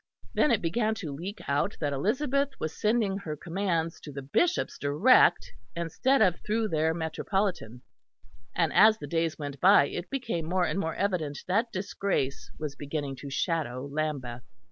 Then it began to leak out that Elizabeth was sending her commands to the bishops direct instead of through their Metropolitan; and, as the days went by, it became more and more evident that disgrace was beginning to shadow Lambeth.